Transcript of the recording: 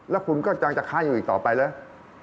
แล้วคุณก็ยังจะค้าอยู่อีกต่อไปเลย